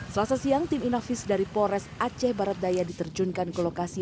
selasa siang tim inafis dari polres aceh barat daya diterjunkan ke lokasi